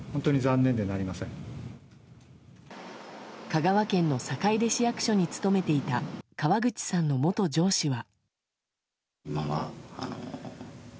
香川県の坂出市役所に勤めていた河口さんの元上司は。